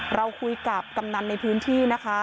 เราคุยกับกำนันในพื้นที่นะคะ